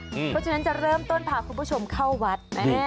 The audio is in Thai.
เพราะฉะนั้นจะเริ่มต้นพาคุณผู้ชมเข้าวัด